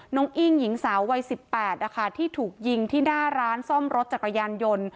น้องอิ้งหญิงสาววัยสิบแปดอ่ะค่ะที่ถูกยิงที่หน้าร้านซ่อมรถจากกระยานยนต์